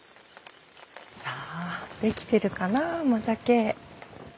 さあできてるかな甘酒。